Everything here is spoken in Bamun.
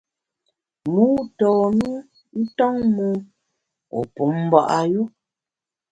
Mû tôn u nton mon, wu pum mba’ yu.